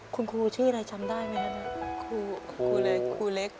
คุณครูชื่ออะไรจำได้ไหมครับ